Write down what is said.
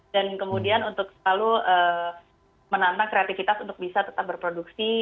dan kemudian untuk selalu menantang kreativitas untuk bisa tetap berproduksi